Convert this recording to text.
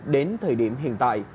đến thời điểm hiện tại